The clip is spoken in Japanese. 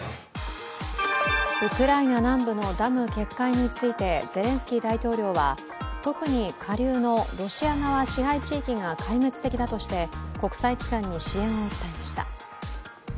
ウクライナ南部のダム決壊についてゼレンスキー大統領は特に下流のロシア側支配地域が壊滅的だとして国際機関に支援を訴えました。